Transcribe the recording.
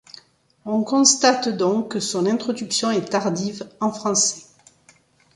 On constate donc que son introduction est tardive en français.